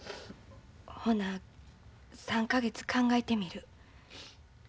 ほな３か月考えてみる。